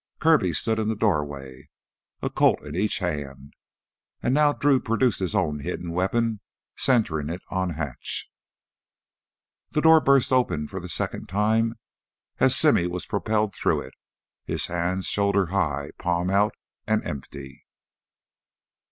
Kirby stood in the doorway, a Colt in each hand. And now Drew produced his own hidden weapon, centering it on Hatch. The door burst open for the second time as Simmy was propelled through it, his hands shoulder high, palm out, and empty.